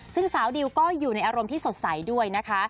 ซึ่งสาวดิวก็อยู่ในอารมณ์ที่สดใสด้วยนะคะ